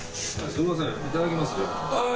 すみませんいただきますじゃあ。